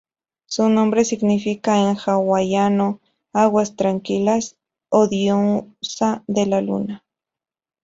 Su nombre significa en hawaiano "aguas tranquilas" o "diosa de la luna".